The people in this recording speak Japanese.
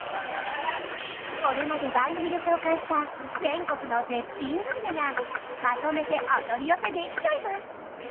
これまで番組で紹介した全国の絶品グルメがまとめてお取り寄せできちゃいます